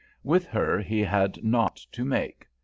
With her he had naught to make.